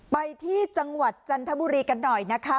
ไปที่จังหวัดจันทบุรีกันหน่อยนะคะ